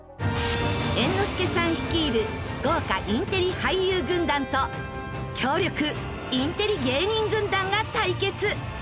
猿之助さん率いる豪華インテリ俳優軍団と強力インテリ芸人軍団が対決！